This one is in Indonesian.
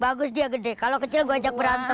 bagus dia gede kalo kecil gua ajak berantem tuh